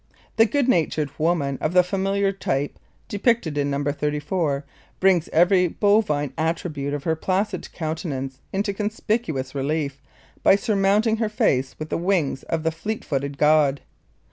The good natured woman of the familiar type depicted in No. 34 brings every bovine attribute of her placid countenance into conspicuous relief by surmounting her face with the wings of the fleet footed god.